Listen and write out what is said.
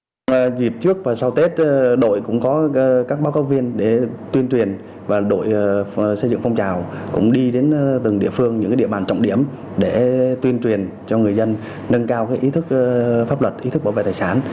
trong dịp trước và sau tết đội cũng có các báo cáo viên để tuyên truyền và đội xây dựng phong trào cũng đi đến từng địa phương những địa bàn trọng điểm để tuyên truyền cho người dân nâng cao ý thức pháp luật ý thức bảo vệ tài sản